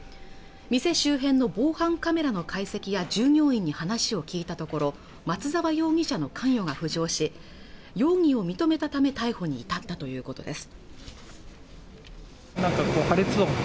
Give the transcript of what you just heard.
店周辺の防犯カメラの解析や従業員に話を聞いたところ松沢容疑者の関与が浮上し容疑を認めたため逮捕に至ったということです